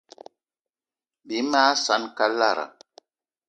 Bí mag saan kalara.